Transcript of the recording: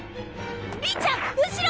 りんちゃん後ろ！